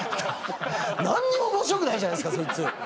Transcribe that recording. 何にも面白くないじゃないですかそいつ。